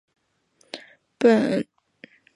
本鱼胸鳍发育完全。